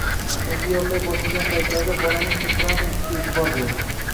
Endi yodlay boshlagan paytlarida bolaning temperamentiga eʼtibor bering.